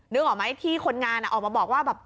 นึกออกไหมที่คนงานออกมาบอกว่าแบบ